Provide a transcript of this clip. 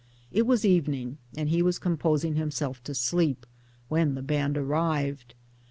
It was evening and he was composing himself to sleep ; when the band arrived.